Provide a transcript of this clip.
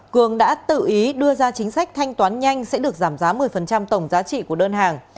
cường đã tự ý đưa ra chính sách thanh toán nhanh sẽ được giảm giá một mươi tổng giá trị của đơn hàng